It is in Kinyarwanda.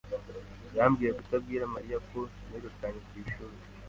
yambwiye kutabwira Mariya ko nirukanye ku ishuri.